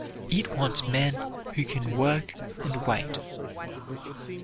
It wants men who can work and wait.